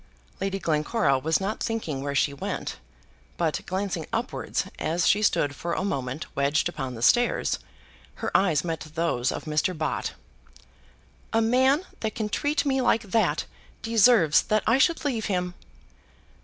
Lady Glencora was not thinking where she went, but, glancing upwards, as she stood for a moment wedged upon the stairs, her eyes met those of Mr. Bott. "A man that can treat me like that deserves that I should leave him."